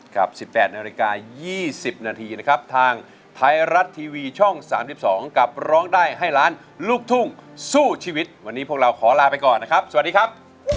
๑๘นาฬิกา๒๐นาทีนะครับทางไทยรัฐทีวีช่อง๓๒กับร้องได้ให้ล้านลูกทุ่งสู้ชีวิตวันนี้พวกเราขอลาไปก่อนนะครับสวัสดีครับ